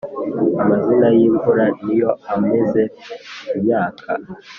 amazi y’imvura ni yo ameza imyaka